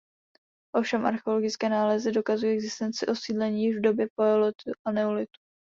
Ovšem archeologické nálezy dokazují existenci osídlení již v době paleolitu a neolitu.